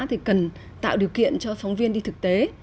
thì cần tạo điều kiện cho phóng viên đi thực tế